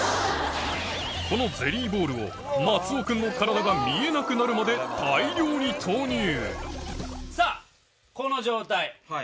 このゼリーボールを松尾君の体が見えなくなるまでさぁこの状態。